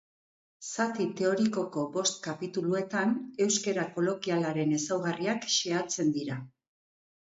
Zati teorikoko bost kapituluetan, euskara kolokialaren ezaugarriak xehatzen dira.